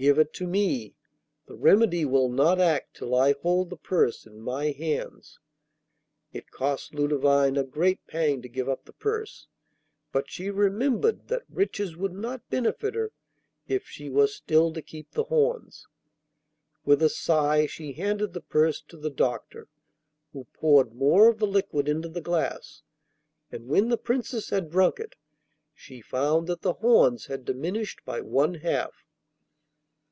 'Give it to me. The remedy will not act till I hold the purse in my hands.' It cost Ludovine a great pang to give up the purse, but she remembered that riches would not benefit her if she was still to keep the horns. With a sigh, she handed the purse to the doctor, who poured more of the liquid into the glass, and when the Princess had drunk it, she found that the horns had diminished by one half.